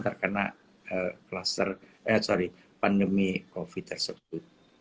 terkena pandemi covid tersebut